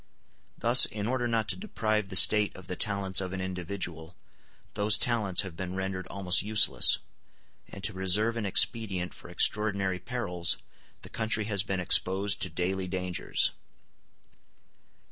Thus, in order not to deprive the State of the talents of an individual, those talents have been rendered almost useless; and to reserve an expedient for extraordinary perils, the country has been exposed to daily dangers.